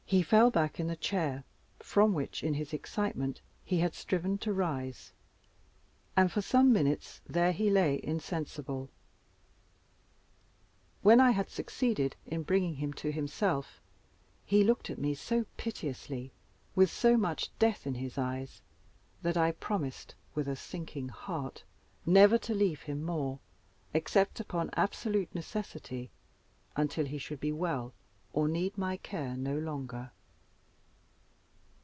He fell back in the chair, from which, in his excitement, he had striven to rise, and for some minutes there he lay insensible. When I had succeeded in bringing him to himself, he looked at me so piteously, with so much death in his eyes, that I promised, with a sinking heart, never to leave him more, except upon absolute necessity, until he should be well, or need my care no longer.